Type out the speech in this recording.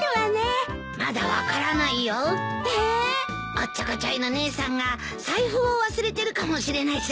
おっちょこちょいの姉さんが財布を忘れてるかもしれないじゃないか。